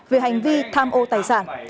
về hành vi tham ô tài sản